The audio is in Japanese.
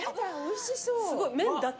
すごい麺だけ？